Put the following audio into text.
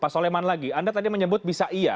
pak soleman lagi anda tadi menyebut bisa iya